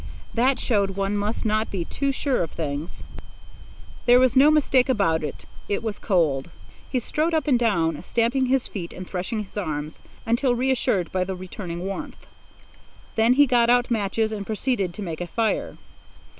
That showed one must not be too sure of things. There was no mistake about it, it was cold. He strode up and down, stamping his feet and threshing his arms, until reassured by the returning warmth. Then he got out matches and proceeded to make a fire.